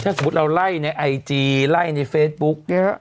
ถ้าสมมุติเราไล่ในไอจีไล่ในเฟซบุ๊ก